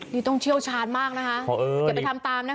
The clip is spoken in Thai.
นี่ต้องเชี่ยวชาญมากนะคะอย่าไปทำตามนะคะ